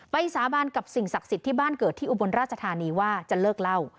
สาบานกับสิ่งศักดิ์สิทธิ์ที่บ้านเกิดที่อุบลราชธานีว่าจะเลิกเล่า